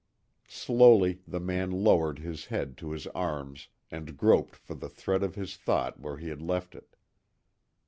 Slowly the man lowered his head to his arms and groped for the thread of his thought where he had left it.